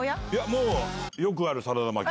もう、よくあるサラダ巻き。